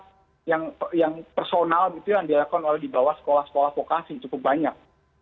nah yang personal gitu yang dilakukan oleh di bawah sekolah sekolah vokasi cukup banyak